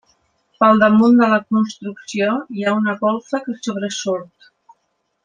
Pel damunt de la construcció hi ha una golfa que sobresurt.